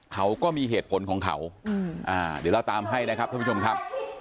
เขาก็มีเหตุผลของเขาเดี๋ยวเราตามให้นะครับท่านผู้ชมครับ